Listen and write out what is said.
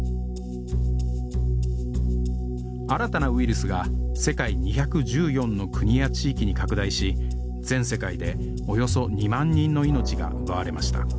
新たなウイルスが世界２１４の国や地域に拡大し全世界でおよそ２万人の命が奪われました